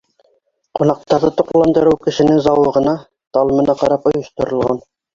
Ҡунаҡтарҙы туҡландырыу кешенең зауығына, талымына ҡарап ойошторолған.